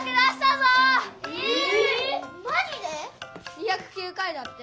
２０９回だって。